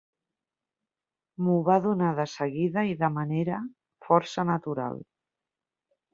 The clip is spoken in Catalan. M'ho va donar de seguida i de manera força natural.